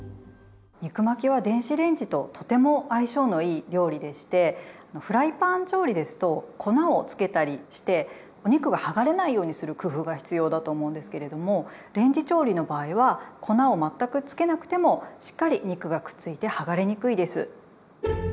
肉巻きは電子レンジととても相性のいい料理でしてフライパン調理ですと粉をつけたりしてお肉が剥がれないようにする工夫が必要だと思うんですけれどもレンジ調理の場合は粉を全くつけなくてもしっかり肉がくっついて剥がれにくいです。